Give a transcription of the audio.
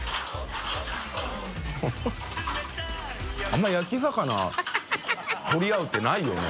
△鵑泙焼き魚取り合うってないよね？